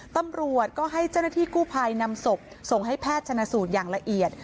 ตำรวจก็ให้เจ้าหน้าที่กู้ภัยนำศพส่งให้แพทย์ชนะสูตรอย่างละเอียด